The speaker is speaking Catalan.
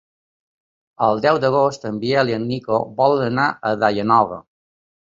El deu d'agost en Biel i en Nico volen anar a Daia Nova.